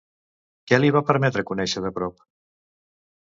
Què li va permetre conèixer de prop?